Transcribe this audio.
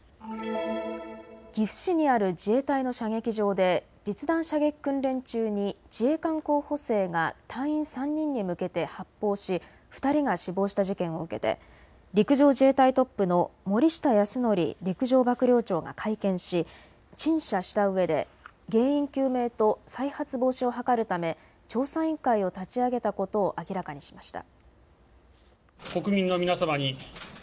岐阜市にある自衛隊の射撃場で実弾射撃訓練中に自衛官候補生が隊員３人に向けて発砲し２人が死亡した事件を受けて陸上自衛隊トップの森下泰臣陸上幕僚長が会見し陳謝したうえで原因究明と再発防止を図るため調査委員会を立ち上げたことを明らかにしました。